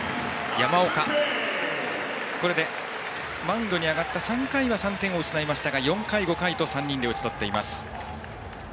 山岡、これでマウンドに上がった３回は３点を失いましたが４回、５回と３人で打ち取っています。